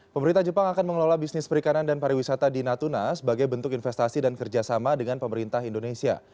pemerintah jepang akan mengelola bisnis perikanan dan pariwisata di natuna sebagai bentuk investasi dan kerjasama dengan pemerintah indonesia